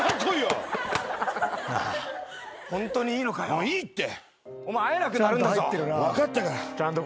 もういいって。